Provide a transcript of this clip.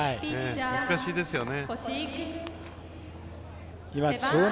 難しいですよね。